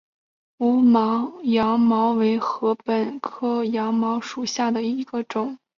无芒羊茅为禾本科羊茅属下的一个种。